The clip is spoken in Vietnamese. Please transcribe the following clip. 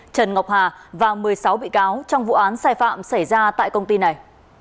trần ngọc hà và một mươi sáu bị cáo trong vụ án sai phạm xảy ra tại công ty này